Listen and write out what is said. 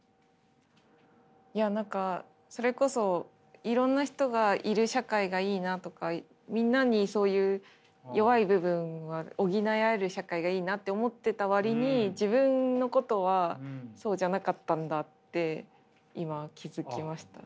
いや何かそれこそいろんな人がいる社会がいいなとかみんなにそういう弱い部分は補い合える社会がいいなって思ってた割に自分のことはそうじゃなかったんだって今気付きました。